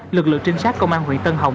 lực lượng trinh sát công an huyện tân hồng